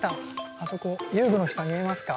あそこ、遊具の下見えますか？